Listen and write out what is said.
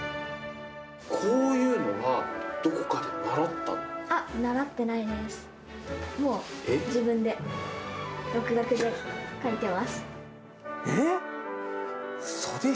こういうのは、どこかで習っあっ、習ってないです。え？